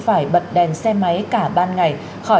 phải bật đèn xe máy